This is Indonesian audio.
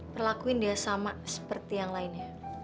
perlakuin dia sama seperti yang lainnya